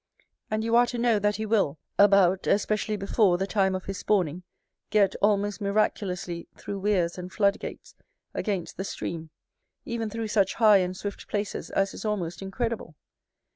And you are to know, that he will, about, especially before, the time of his spawning, get, almost miraculously, through weirs and flood gates, against the stream; even through such high and swift places as is almost incredible.